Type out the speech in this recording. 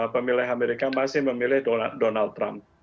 pemilih amerika masih memilih donald trump